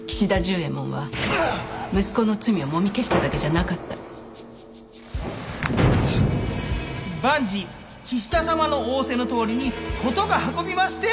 右衛門は息子の罪をもみ消しただけじゃなかった万事岸田さまの仰せのとおりに事が運